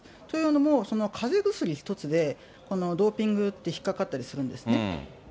というのも、かぜ薬一つでドーピングって引っ掛かったりするんですね。